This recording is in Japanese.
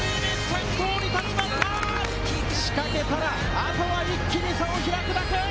仕掛けたらあとは一気に差を開くだけ。